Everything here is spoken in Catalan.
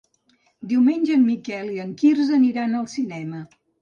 Diumenge en Miquel i en Quirze aniran al cinema.